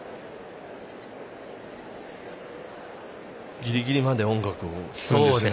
ギリギリまで音楽を聴くんですね。